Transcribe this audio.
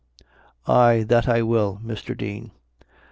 "Ay, that I will, Mr. Dean."